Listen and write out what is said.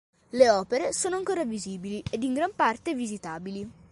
Le opere sono ancora visibili ed in gran parte visitabili.